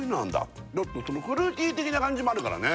ちょっとフルーティー的な感じもあるからね